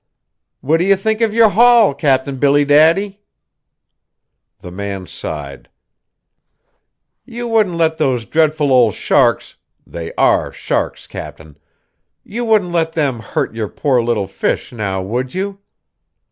"What do you think of your haul, Cap'n Billy Daddy?" The man sighed. "You wouldn't let those dreadful old sharks they are sharks, Cap'n you wouldn't let them hurt your poor little fish, now would you?"